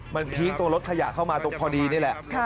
มันพีคตัวรถขยะเข้ามาตรงพอดีนี่แหละ